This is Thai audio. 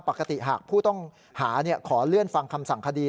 ปกติหากผู้ต้องหาขอเลื่อนฟังคำสั่งคดี